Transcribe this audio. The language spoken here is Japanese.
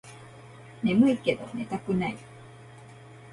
ねむいけど寝たくない